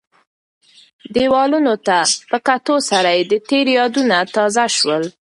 دیوالونو ته په کتو سره یې د تېر یادونه تازه شول.